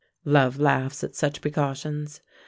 Love laughs at such precautions.